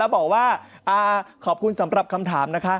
บอกว่าขอบคุณสำหรับคำถามนะคะ